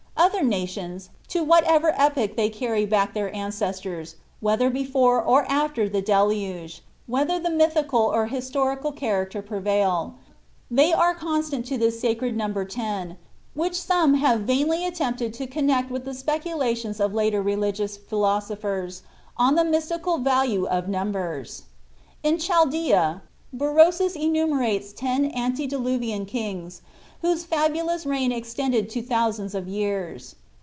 Other nations, to whatever epoch they carry back their ancestors, whether before or after the Deluge, whether the mythical or historical character prevail, they are constant to this sacred number ten, which some have vainly attempted to connect with the speculations of later religious philosophers on the mystical value of numbers. In Chaldea, Berosus enumerates ten Antediluvian kings whose fabulous reign extended to thousands of years.